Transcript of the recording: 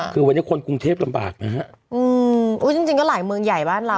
คือวันนี้คนกรุงเทพลำบากนะฮะอืมอุ้ยจริงจริงก็หลายเมืองใหญ่บ้านเรา